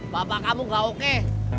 bapak kamu gak oke